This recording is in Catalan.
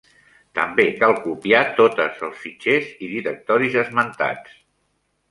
També cal copiar totes els fitxers i directoris esmentats.